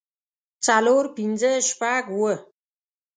څلور پنځۀ شپږ اووه